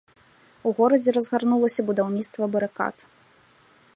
У горадзе разгарнулася будаўніцтва барыкад.